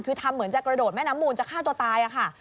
คือทำเหมือนจะกระโดดแม่น้ำมูลจะฆ่าตัวตายค่ะ